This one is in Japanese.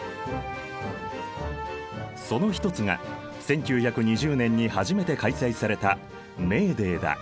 その一つが１９２０年に初めて開催されたメーデーだ。